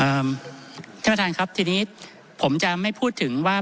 ท่านประธานครับทีนี้ผมจะไม่พูดถึงว่า